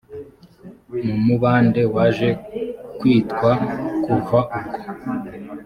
mu mubande waje kwitwa kuva ubwo